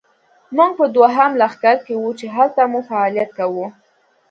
موږ په دوهم لښکر کې وو، چې هلته مو فعالیت کاوه.